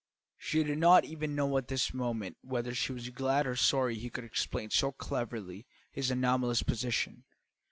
She did not even know at this moment whether she was glad or sorry he could explain so cleverly his anomalous position.